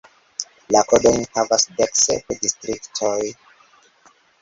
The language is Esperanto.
La kodojn havas dek sep distriktoj.